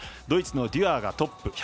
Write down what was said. ドイツのデュアーがトップ。